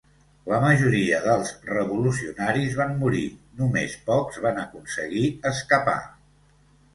La majoria dels revolucionaris van morir, només pocs van aconseguir escapar.